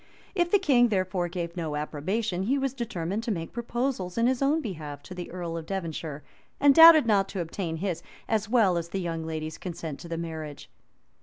If the king, therefore, gave his approbation he was determined to make proposals in his own behalf to the earl of Devonshire, and doubted not to obtain his, as well as the young lady's, consent to the marriage.